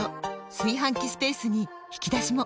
炊飯器スペースに引き出しも！